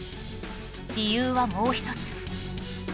理由はもう一つ